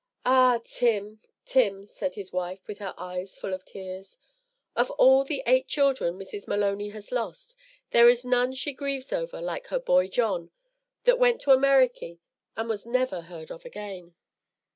"Ah! Tim, Tim," said his wife, with her eyes full of tears, "of all the eight children Mrs. Maloney has lost, there is none she grieves over like her boy John, that went to Ameriky and was never heard of again.